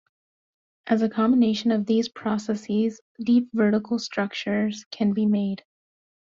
As a combination of these processes deep vertical structures can be made.